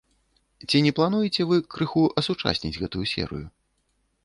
Ці не плануеце вы крыху асучасніць гэтую серыю?